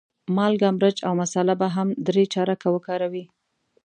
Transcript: مالګه، مرچ او مساله به هم درې چارکه وکاروې.